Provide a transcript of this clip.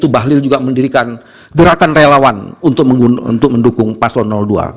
bahlil juga mendirikan gerakan relawan untuk mendukung paslon dua